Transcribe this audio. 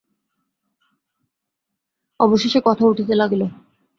অবশেষে কথা উঠিতে লাগিল।